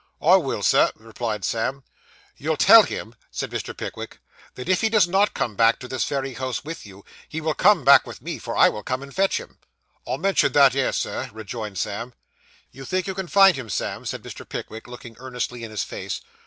'I will, Sir,' replied Sam. 'You'll tell him,' said Mr. Pickwick, 'that if he does not come back to this very house, with you, he will come back with me, for I will come and fetch him.' 'I'll mention that 'ere, Sir,' rejoined Sam. 'You think you can find him, Sam?' said Mr. Pickwick, looking earnestly in his face.